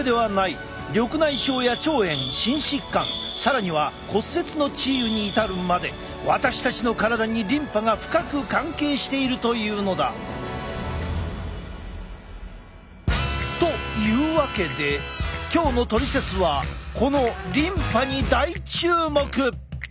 緑内障や腸炎心疾患更には骨折の治癒に至るまで私たちの体にリンパが深く関係しているというのだ！というわけで今日の「トリセツ」はこのリンパに大注目！